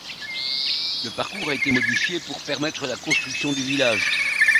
Le parcours a été modifié pour permettre la construction du village.